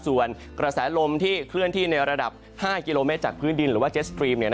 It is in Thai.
ส่วนกระแสลมที่เคลื่อนที่ในระดับ๕กิโลเมตรจากพื้นดินหรือว่าเจสตรีม